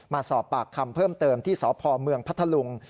มาสอบปากคำเพิ่มเติมที่สพเมืองพัทธลุง